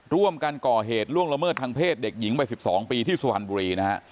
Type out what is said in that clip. ร่วมกันก่อเหตุล่วงละเมิดทางเพศเด็กหญิงวัย๑๒ปีที่สุพรรณบุรีนะฮะ